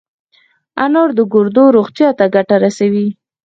انار د ګردو روغتیا ته ګټه رسوي.